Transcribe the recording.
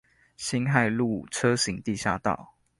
辛亥路車行地下道